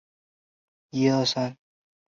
为醛糖的醛基被氧化为羧基而成。